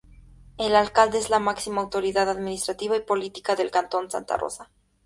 El Alcalde es la máxima autoridad administrativa y política del Cantón Santa Rosa.